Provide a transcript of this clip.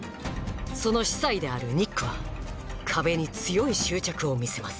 その司祭であるニックは壁に強い執着を見せます